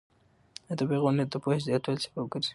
ادبي غونډې د پوهې د زیاتوالي سبب ګرځي.